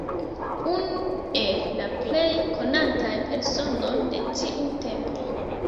Unu el la plej konataj personoj de tiu tempo.